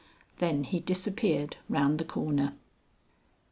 Then he disappeared round the corner.